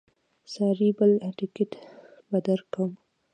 ساري بل ټکټ به درکړم.